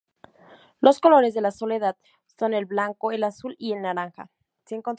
Los colores de la sociedad son el blanco, el azul y el naranja.